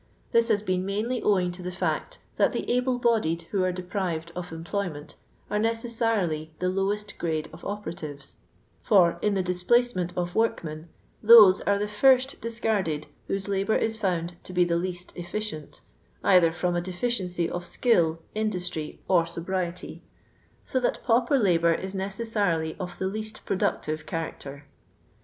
Thie hat been mainly owing to the iact that the able bodied who are deprived of employ ment are necf warily the lowest gmde of operas tires ; for, in the dispUcement of workmen^^piose are the first discarded whose hibour is found to be the least efficient, either irom a deficiency of skill, industry, or sobriety, so that pauper labour if necessarily of the least productiTe character.